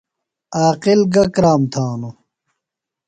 عاقل گہ کرام تھانوۡ ؟